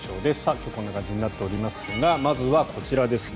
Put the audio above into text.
今日こんな感じになっておりますがまずはこちらですね。